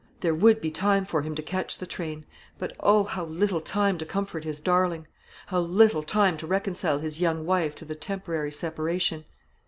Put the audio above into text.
There would be time for him to catch the train; but, oh! how little time to comfort his darling how little time to reconcile his young wife to the temporary separation!